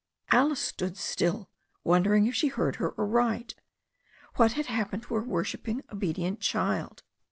Alice stood still, wondering if she heard her aright. What had happened to her worshipping, obedient child?